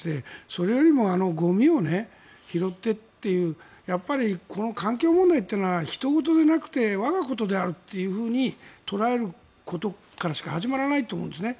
それよりもゴミを拾ってというこの環境問題というのはひと事でなくて我が事であると捉えることからでしか始まらないと思うんですね。